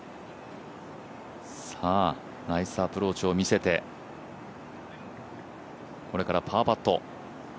ナイスアプローチを見せてこれからパーパット。